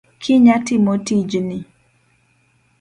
Kinya timo tijni.